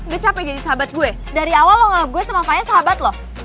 lo capek jadi sahabat gue dari awal lo nganggep gue sama fahnya sahabat lo